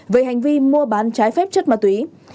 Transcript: về hành vi mua bán trái phép chất ma túy